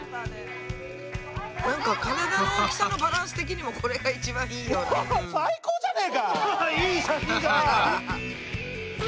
なんか体の大きさのバランス的にはこれが一番いいような。